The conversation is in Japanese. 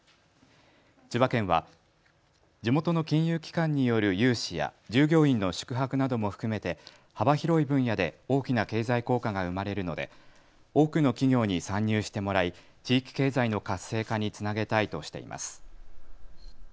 千葉県は地元の金融機関による融資や従業員の宿泊なども含めて幅広い分野で大きな経済効果が生まれるので多くの企業に参入してもらい地域経済の活性化につなげたいとしています。